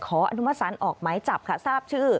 อนุมัติศาลออกหมายจับค่ะทราบชื่อ